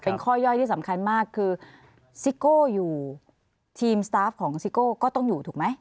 เป็นข้อย่อยที่สำคัญมากคือซิโก้อยู่ทีมสตาฟของซิโก้ก็ต้องอยู่ถูกไหม